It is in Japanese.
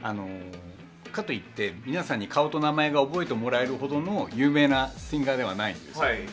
かといって、皆さんに顔と名前を覚えていただけるほどの有名なシンガーではないんですね。